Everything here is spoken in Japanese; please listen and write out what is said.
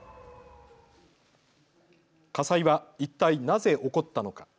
火災は一体なぜ起こったのか。